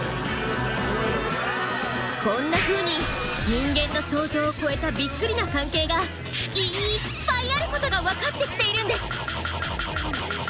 こんなふうに人間の想像を超えたびっくりな関係がいっぱいあることが分かってきているんです！